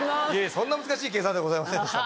そんな難しい計算ではございませんでした。